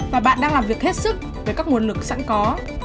và bạn đang làm việc hết sức với các nguồn lực sẵn có